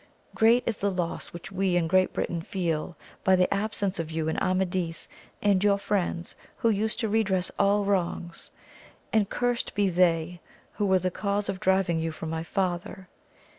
Great is the loss which we in Great Britain feel by the ab sence of you and Amadis and your friends, who used to redress all wrongs ! and cursed be they who were the cause of driving you from my father